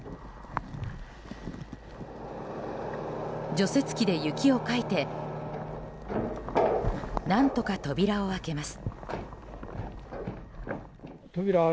除雪機で雪をかいて何とか扉を開けます。